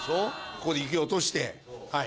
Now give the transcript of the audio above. ここで雪を落としてはい。